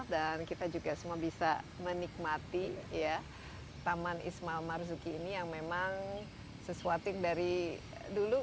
kita juga semua bisa menikmati taman ismail marzuki ini yang memang sesuatu yang dari dulu